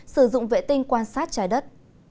sử dụng vệ tinh quan sát trái đất